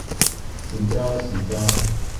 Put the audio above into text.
善哉善哉